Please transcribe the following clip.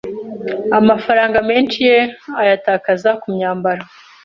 Amafaranga menshi ye ayatakaza ku myambaro